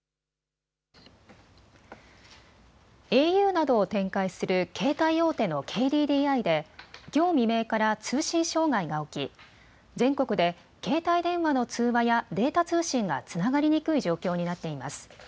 ａｕなどを展開する携帯大手のＫＤＤＩできょう未明から通信障害が起き全国で携帯電話の通話やデータ通信がつながりにくい状況になっています。